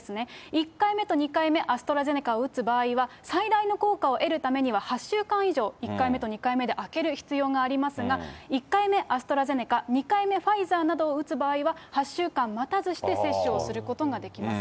１回目と２回目、アストラゼネカを打つ場合は、最大の効果を得るためには８週間以上、１回目と２回目で空ける必要がありますが、１回目アストラゼネカ、２回目ファイザーなどを打つ場合は、８週間待たずして接種をすることができます。